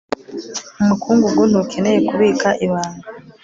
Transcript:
umukungugu ntukeneye kubika ibanga